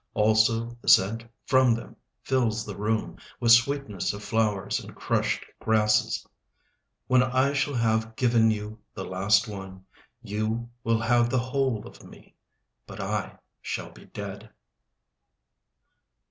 Also the scent from them fills the room With sweetness of flowers and crushed grasses. When I shall have given you the last one, You will have the whole of me, But I shall be dead.